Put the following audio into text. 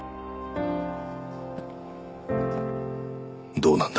どうなんだ？